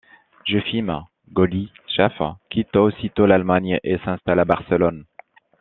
Jefim Golyscheff quitte aussitôt l’Allemagne et s’installe à Barcelone.